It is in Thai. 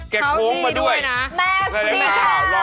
กระโค้งกันด้วยนะแม็กซ์ที่มีครัว๕๐๐๐๐๐มาใช้ค่ะ